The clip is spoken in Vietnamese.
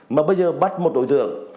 mà bây giờ bắt một đội tượng